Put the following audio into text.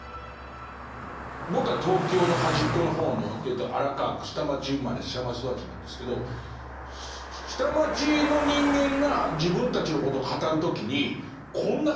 僕は東京の端っこの方の荒川区下町生まれ下町育ちなんですけど下町の人間が自分たちのことを語る時にこんな感じのこと言いますかね。